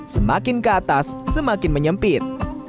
semakin ke atas semakin menyempit